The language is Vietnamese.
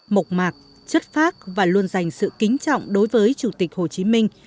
mộc mạc chất phác và luôn dành sự kính trọng đối với chủ tịch hồ chí minh